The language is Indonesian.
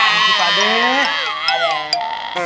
makasih pak dek